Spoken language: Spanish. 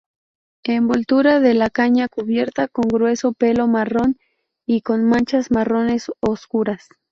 Envoltura de la caña cubierta con grueso pelo marrón y con manchas marrones oscuras.